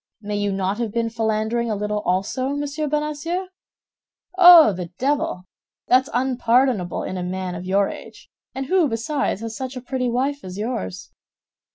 May you not have been philandering a little also, Monsieur Bonacieux? Oh, the devil! That's unpardonable in a man of your age, and who besides, has such a pretty wife as yours."